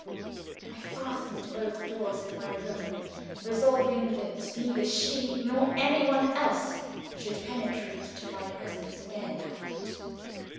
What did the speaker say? I fastened both doors of my room, resolving that neither she nor any one else should penetrate to my presence again that night.